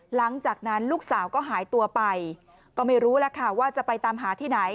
หลังจากนั้นลูกสาวก็หายตัวไปก็ไม่รู้แล้วค่ะว่าจะไปตามหาที่ไหน